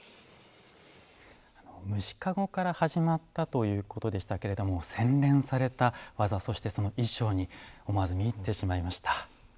虫篭から始まったということでしたけれども洗練された技そしてその意匠に思わず見入ってしまいました。